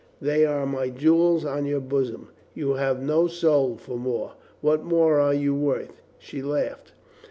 They are my jewels on your bosom. You have no soul for more. What more are you worth?" She laughed.